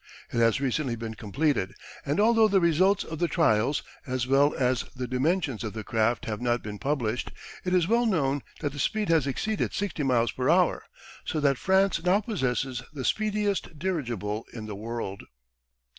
It has recently been completed, and although the results of the trials, as well as the dimensions of the craft have not been published, it is well known that the speed has exceeded 60 miles per hour, so that France now possesses the speediest dirigible in the world.